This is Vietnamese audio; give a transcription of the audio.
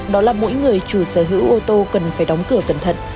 đó là mỗi người chủ sở hữu ô tô cần phải đóng cửa cẩn thận